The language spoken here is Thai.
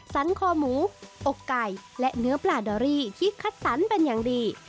สันคอหมูอกไก่และเนื้อปลาดอรี่ที่คัดสรรเป็นอย่างดี